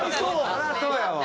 そりゃそうやわ。